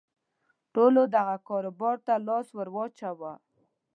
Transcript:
ټولو دغه کاروبار ته لاس ور واچاوه.